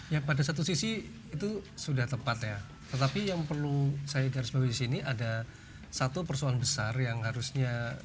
ya pada satu sisi itu sudah tepat ya tetapi yang perlu saya garis bawah di sini ada satu persoalan besar yang harusnya